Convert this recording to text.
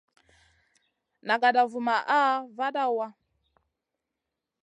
Nagada vumaʼha vada waʼa.